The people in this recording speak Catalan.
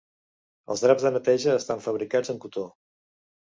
Els draps de neteja estan fabricats en cotó.